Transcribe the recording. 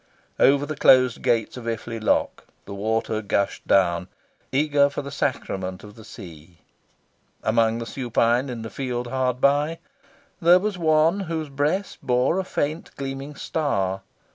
Over the closed gates of Iffley lock, the water gushed down, eager for the sacrament of the sea. Among the supine in the field hard by, there was one whose breast bore a faint gleaming star.